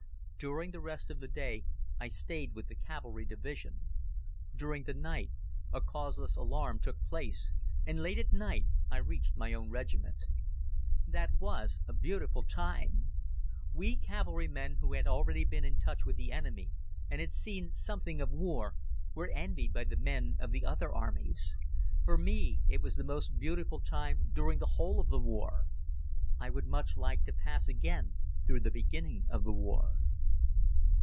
During the rest of the day I stayed with the Cavalry Division. During the night a causeless alarm took place, and late at night I reached my own regiment. That was a beautiful time. We cavalry men who had already been in touch with the enemy and had seen something of war, were envied by the men of the other armies. For me it was the most beautiful time during the whole of the war. I would much like to pass again through the beginning of the war.